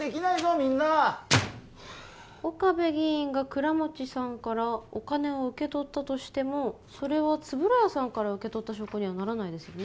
みんな岡部議員が倉持さんからお金を受け取ったとしてもそれは円谷さんから受け取った証拠にはならないですよね？